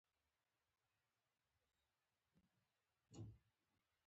شکيبا چې کله کريم ړنګ، بنګ ولېد ډېره ورخطا شوه.